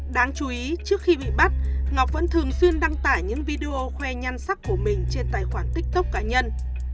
đáng chú ý trước khi bị bắt ngọc vẫn thường xuyên đăng tải những video khoe nhan sắc của mình trên tài khoản tiktok cá nhân